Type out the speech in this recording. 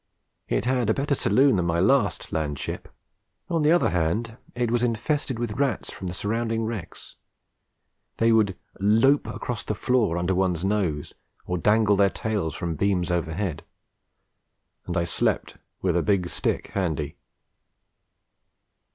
It had a better saloon than my last land ship; on the other hand, it was infested with rats from the surrounding wrecks. They would lope across the floor under one's nose, or dangle their tails from the beams overhead, and I slept with a big stick handy.